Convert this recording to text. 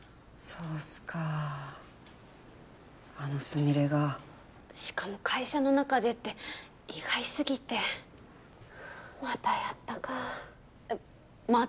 そうっすかあのスミレがしかも会社の中でって意外すぎてまたやったかえっまた？